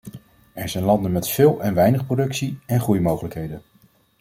Er zijn landen met veel en weinig productie- en groeimogelijkheden.